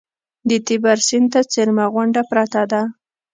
د تیبر سیند ته څېرمه غونډه پرته ده.